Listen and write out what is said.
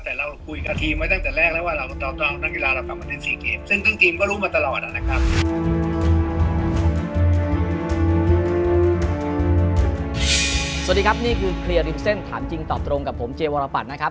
แต่เราคุยกับทีมไว้ตั้งแต่แรกแล้วว่า